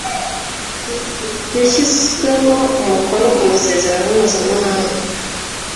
hashyizweho umukono ku masezerano mpuzamahanga